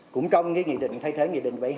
cũng trong cái nghị định thay thế nghị định